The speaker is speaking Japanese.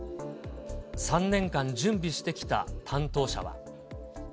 ３年間準備してきた担当者は。